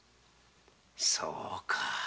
そうか。